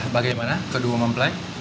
bagaimana kedua mempelai